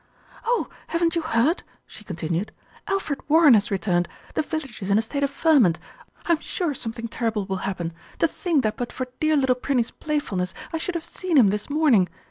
"Oh! haven't you heard?" she continued. "Alfred Warren has returned. The village is in a state of ferment. I'm sure something terrible will happen. To think that but for dear little Prinny's playfulness I should have seen him this morning.